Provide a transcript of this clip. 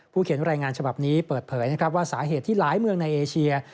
เขียนรายงานฉบับนี้เปิดเผยนะครับว่าสาเหตุที่หลายเมืองในเอเชีย